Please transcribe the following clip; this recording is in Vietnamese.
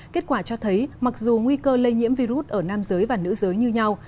kết quả cho thấy mặc dù nguy cơ lây nhiễm virus ở nam giới và nữ giới như nhau